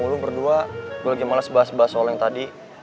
lu berdua gua lagi males bahas bahas soal yang tadi